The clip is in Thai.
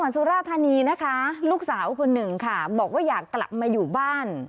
สุราธานีนะคะลูกสาวคนหนึ่งค่ะบอกว่าอยากกลับมาอยู่บ้าน